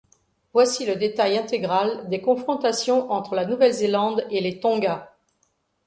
Voici le détail intégral des confrontations entre la Nouvelle-Zélande et les Tonga.